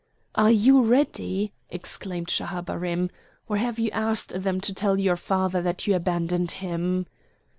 "Are you ready?" exclaimed Schahabarim, "or have you asked them to tell your father that you abandoned him?"